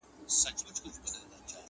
هغه ښار هغه مالت دی مېني تشي له سړیو.!